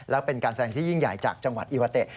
และเป็นการแสดงที่ยิ่งใหญ่จากจังหวัดอิวาเตะ